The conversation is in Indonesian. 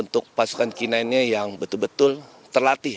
untuk pasukan kainainnya yang betul betul terlatih